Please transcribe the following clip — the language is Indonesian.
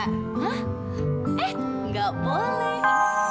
eh gak boleh